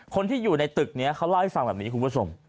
คนที่อยู่ในตึกนี้เขาเล่าให้ฟังแบบนี้คุณผู้ชม